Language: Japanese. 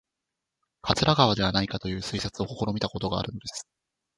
桂川ではないかという推察を試みたことがあるのです